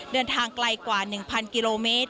เดินทางไกลกว่า๑๐๐กิโลเมตร